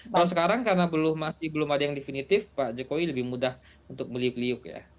kalau sekarang karena masih belum ada yang definitif pak jokowi lebih mudah untuk meliuk liuk ya